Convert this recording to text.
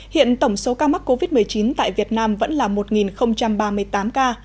hiện tổng số ca mắc covid một mươi chín tại việt nam vẫn là một ba mươi tám ca